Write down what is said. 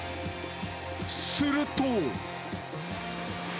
すると。